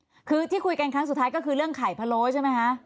คือที่คุยกันครั้งสุดท้ายก็คือเรื่องไข่พะโล้ใช่ไหมคะ